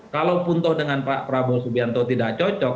kalau pun dengan prabowo subianto tidak cocok